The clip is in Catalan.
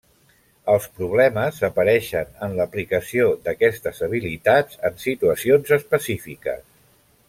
Els problemes apareixen en l'aplicació d'aquestes habilitats en situacions específiques.